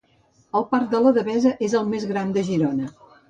El parc de La Devesa és el més gran de Girona